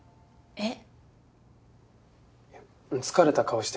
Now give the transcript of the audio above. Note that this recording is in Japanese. えっ？